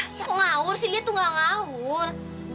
kok ngawur sih lia tuh gak ngawur